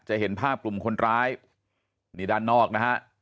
เห็นภาพกลุ่มคนร้ายนี่ด้านนอกนะฮะ